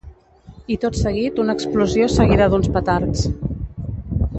I tot seguit una explosió seguida d’uns petards.